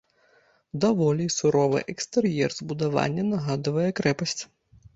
Даволі суровы экстэр'ер збудавання нагадвае крэпасць.